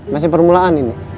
masih permulaan ini